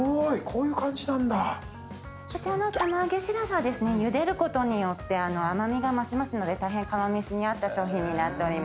こちらの釜揚げしらすはゆでることによって甘味が増しますので大変釜飯に合った商品になっております。